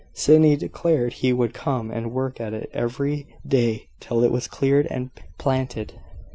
Sydney declared he would come and work at it every day till it was cleared and planted.